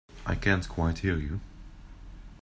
I can't quite hear you.